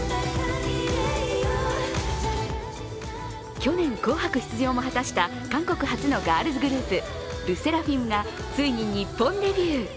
去年、「紅白」出場も果たしたか韓国発のガールズグループＬＥＳＳＥＲＡＦＩＭがついに日本デビュー。